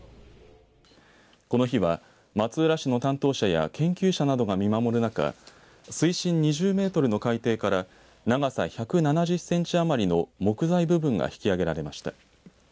この日は松浦市の担当者や研究者などが見守る中水深２０メートルの海底から長さ１７０センチ余りの木材部分が引き揚げられました。